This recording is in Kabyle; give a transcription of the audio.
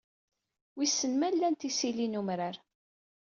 Wissen ma lant isili n umrar.